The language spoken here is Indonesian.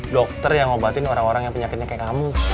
dokter yang ngobatin orang orang yang penyakitnya kayak kamu